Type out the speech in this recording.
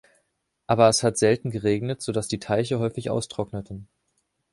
Aber es hat selten geregnet, sodass die Teiche häufig austrockneten.